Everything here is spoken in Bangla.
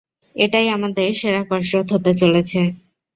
এটাই আমাদের সেরা কসরত হতে চলেছে।